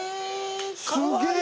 すげえ！